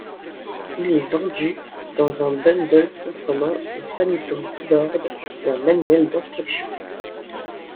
Il est vendu dans un bundle comprenant un Famicom Keyboard et un manuel d'instructions.